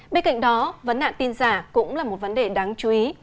bên cạnh đó vấn nạn tin giả cũng là một vấn đề đáng chú ý